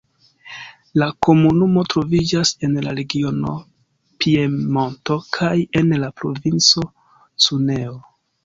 La komunumo troviĝas en la regiono Piemonto kaj en la Provinco Cuneo.